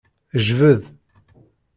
Jbed.